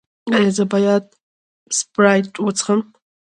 ایا زه باید سپرایټ وڅښم؟